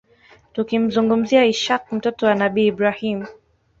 Tukimzungumzia ishaaq mtoto wa Nabii Ibraahiym